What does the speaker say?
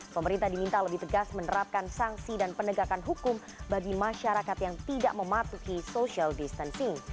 pemerintah diminta lebih tegas menerapkan sanksi dan penegakan hukum bagi masyarakat yang tidak mematuhi social distancing